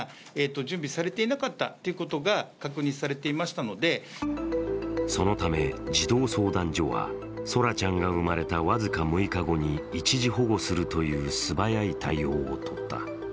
その理由はそのため児童相談所は空来ちゃん生まれた僅か６日後に一時保護するという素早い対応をとった。